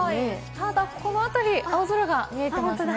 ただこの辺り、青空が見えてますね。